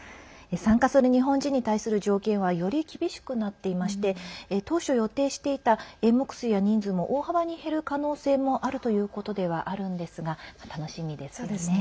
参加する日本人に対する条件はより厳しくなっていまして当初予定していた演目数や人数も大幅に減る可能性もあるということではあるんですが楽しみですよね。